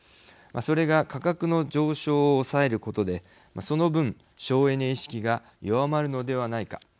それが価格の上昇を抑えることでその分、省エネ意識が弱まるのではないか。